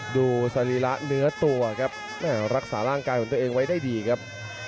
สรีระเนื้อตัวครับรักษาร่างกายของตัวเองไว้ได้ดีครับ